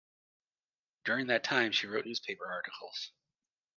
During that time she wrote newspaper articles.